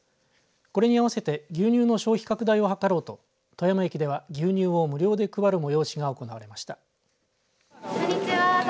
これに合わせて牛乳の消費拡大を図ろうと富山駅では牛乳を無料で配る催しが行われました。